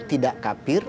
tidak bisa mengakibatkan